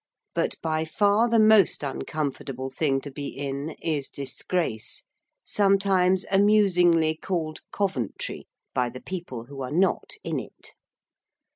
But by far the most uncomfortable thing to be in is disgrace, sometimes amusingly called Coventry by the people who are not in it.